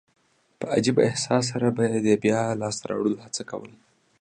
په عجبه احساس سره به دي يي د بیا لاسته راوړلو هڅه کول.